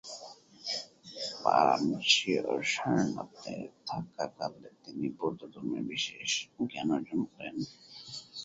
বারাণসী ও সারনাথে থাকাকালে তিনি বৌদ্ধধর্মে বিশেষ জ্ঞানার্জন করেন।